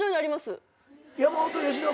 山本由伸。